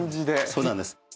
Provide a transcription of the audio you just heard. そうなんです。